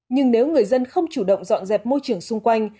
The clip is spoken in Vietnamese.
nhưng nếu người dân không chủ động dọn dẹp môi trường xung quanh